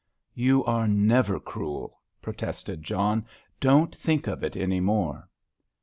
"You are never cruel," protested John. "Don't think of it any more."